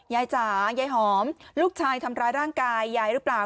จ๋ายายหอมลูกชายทำร้ายร่างกายยายหรือเปล่า